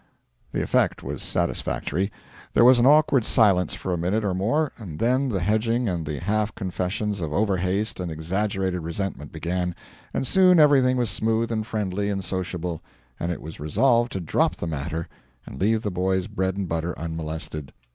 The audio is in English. The effect was satisfactory. There was an awkward silence for a minute or more; then the hedging and the half confessions of over haste and exaggerated resentment began, and soon everything was smooth and friendly and sociable, and it was resolved to drop the matter and leave the boy's bread and butter unmolested.